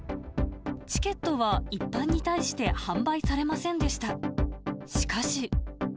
チケットは一般に対して販売されませんでした。